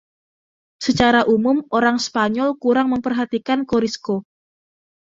Secara umum orang Spanyol kurang memperhatikan Corisco.